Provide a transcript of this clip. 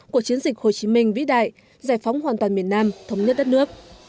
của chiến dịch hồ chí minh vĩ đại giải phóng hoàn toàn miền nam thống nhất đất nước